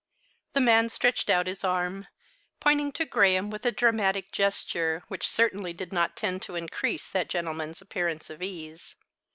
The man stretched out his arm, pointing to Graham with a dramatic gesture, which certainly did not tend to increase that gentleman's appearance of ease.